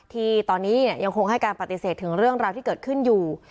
ที่ตอนนี้ยังคงให้การปฏิเสธถึงเรื่องราวที่เกิดขึ้นอยู่